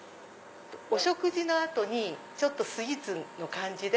お食事の後にスイーツの感じで。